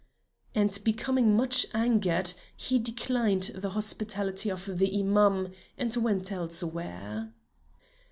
And becoming much angered, he declined the hospitality of the Imam and went elsewhere.